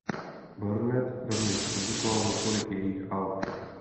Burnett rovněž produkoval několik jejích alb.